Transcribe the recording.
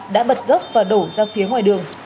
đã bật gốc và đổ ra phía ngoài đường